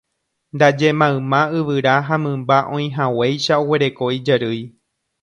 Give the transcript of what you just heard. Ndaje mayma yvyra ha mymba oĩhaguéicha oguereko ijarýi.